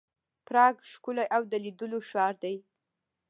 پراګ ښکلی او د لیدلو ښار دی.